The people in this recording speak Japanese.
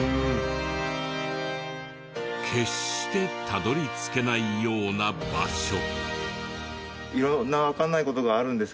決してたどり着けないような場所。